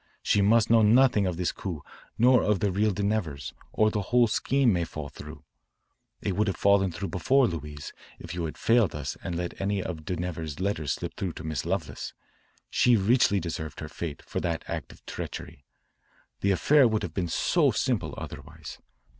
She must know nothing of this coup nor of the real de Nevers, or the whole scheme may fall through. It would have fallen through before, Louise, if you had failed us and had let any of de Nevers's letters slip through to Miss Lovelace. She richly deserved her fate for that act of treachery. The affair would have been so simple, otherwise.